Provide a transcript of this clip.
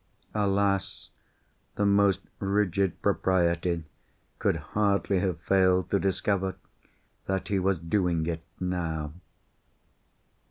Alas! the most rigid propriety could hardly have failed to discover that he was doing it now.